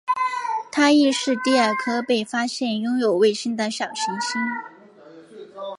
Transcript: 它亦是第二颗被发现拥有卫星的小行星。